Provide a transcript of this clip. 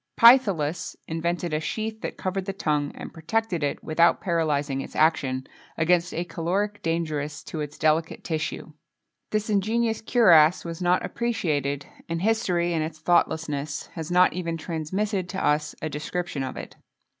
[XXII 17] Pithyllus invented a sheath that covered the tongue, and protected it, without paralyzing its action, against a caloric dangerous to its delicate tissue.[XXII 18] This ingenious cuirass was not appreciated, and history, in its thoughtlessness, has not even transmitted to us a description of it.